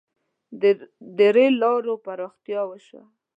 • د رېل لارو پراختیا وشوه.